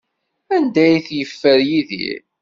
Anda ay t-yeffer Yidir?